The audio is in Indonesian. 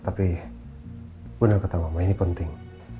tapi benar kata mama ini penting